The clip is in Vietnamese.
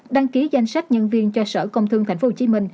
đăng ký danh sách nhân viên cho sở công thương tp hcm